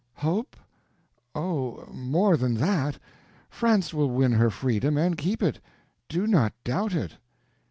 "Hope—oh, more than that! France will win her freedom and keep it. Do not doubt it."